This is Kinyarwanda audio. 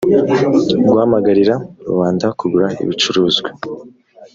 guhamagarira rubanda kugura ibicuruzwa